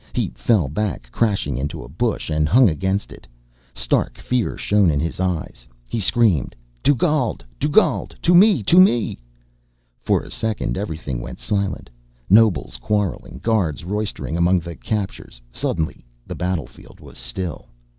He fell back, crashing into a bush, and hung against it. Stark fear shone in his eyes. He screamed: "Dugald! Dugald! To me! To me!" For a second, everything went silent; nobles quarreling, guards roistering among the captures suddenly the battlefield was still.